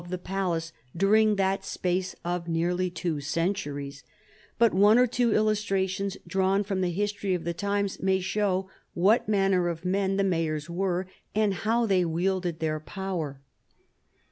23 the palace during that space of nearly two centuries, but one or two illustrations drawn from the history of the times may show what manner of men the mayors were, and how they wielded their power.